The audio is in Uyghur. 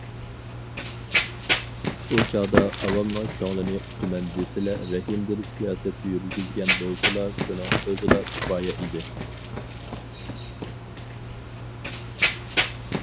ئۇ چاغدا ئاۋامنىڭ كۆڭلىنى ئۇتىمەن دېسىلە رەھىمدىل سىياسەت يۈرگۈزگەن بولسىلا شۇنىڭ ئۆزىلا كۇپايە ئىدى.